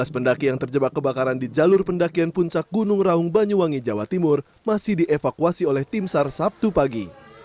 tiga belas pendaki yang terjebak kebakaran di jalur pendakian puncak gunung raung banyuwangi jawa timur masih dievakuasi oleh tim sar sabtu pagi